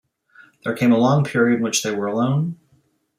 There came a long period in which they were alone.